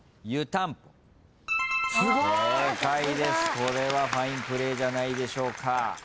これはファインプレーじゃないでしょうか。